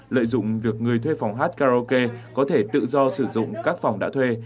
lợi dụng việc người thuê phòng hát karaoke có thể tự do sử dụng các phòng đã thuê